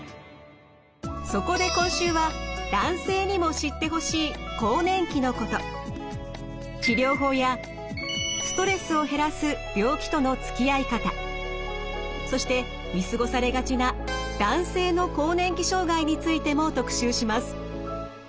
そこで今週は治療法やストレスを減らす病気とのつきあい方そして見過ごされがちな男性の更年期障害についても特集します。